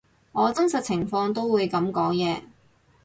我真實情況都會噉講嘢